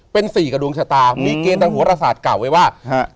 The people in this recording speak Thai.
เป็น๔กระดวงชะตามีเกณฑ์ทั้งหัวศาสตร์กล่าวไว้ว่า